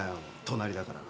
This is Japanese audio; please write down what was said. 隣だから。